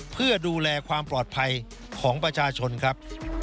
เพื่อดูแลความปลอดภัยของประชาชนครับ